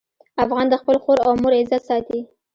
افغان د خپل خور او مور عزت ساتي.